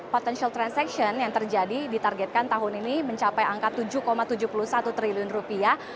potential transaction yang terjadi ditargetkan tahun ini mencapai angka tujuh tujuh puluh satu triliun rupiah